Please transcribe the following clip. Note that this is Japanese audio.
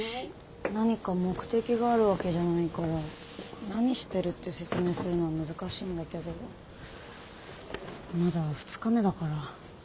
何か目的があるわけじゃないから何してるって説明するのは難しいんだけどまだ２日目だから。